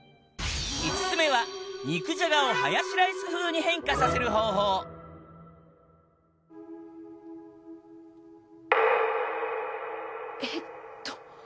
５つ目は肉じゃがをハヤシライス風に変化させる方法えっと。